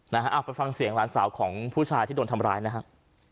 เอาไปฟังเสียงหลานสาวของผู้ชายที่โดนทำร้ายนะครับ